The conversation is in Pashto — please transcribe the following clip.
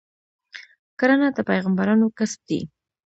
کرنه د پیغمبرانو کسب دی.